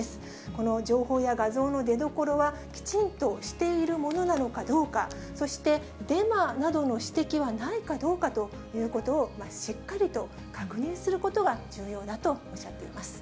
この情報や画像の出どころはきちんとしているものなのかどうか、そしてデマなどの指摘はないかどうかということをしっかりと確認することが重要だとおっしゃっています。